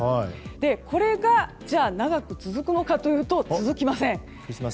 これが長く続くのかというと続きません。